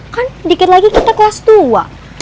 kan dikit lagi kita kelas tua